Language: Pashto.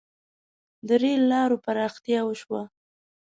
• د رېل لارو پراختیا وشوه.